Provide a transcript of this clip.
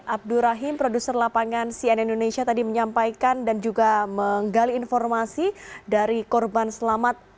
abdur rahim produser lapangan cnn indonesia tadi menyampaikan dan juga menggali informasi dari korban selamat